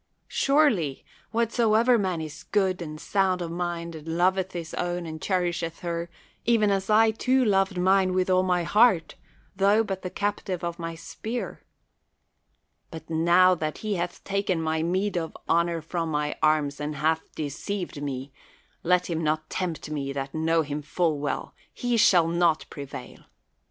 Surely, what soever man is good and sound of mind and lov etli his own and cherisheth her, even as I, too, loved mine with all my heart, tho but the cap tive of my spear. But now that he hath taken 4 ACIIIIJ.KS ACHILLES my meed of honor from mine arms and liath deceived me, let him not tempt me that know him full well; he shall not prevail.